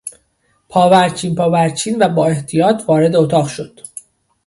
پاورچین پاورچین و با احتیاط وارد اتاق شد.